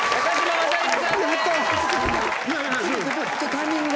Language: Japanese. タイミングが。